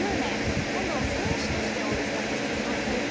今度は選手としてオールスターに出場する。